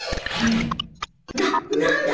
なっ何だ！？